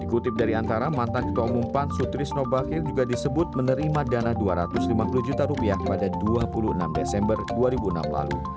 dikutip dari antara mantan ketua umum pan sutrisno bakhir juga disebut menerima dana dua ratus lima puluh juta rupiah pada dua puluh enam desember dua ribu enam lalu